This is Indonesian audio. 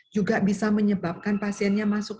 juga bisa menyebabkan pasiennya masuk